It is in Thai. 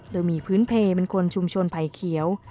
โดยมีพื้นเพลเป็นคนชุมชนไผ่เขียว